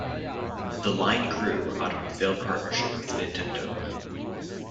The line grew out of a failed partnership with Nintendo.